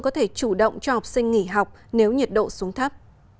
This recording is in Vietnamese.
có thể chủ động cho học sinh nghỉ học nếu nhiệt độ xuống thấp